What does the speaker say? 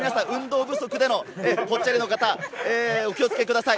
皆さん、運動不足でのぽっちゃりの方、お気をつけください。